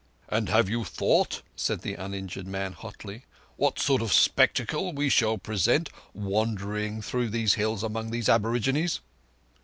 "And have you thought," said the uninjured man hotly, "what sort of spectacle we shall present wandering through these hills among these aborigines?"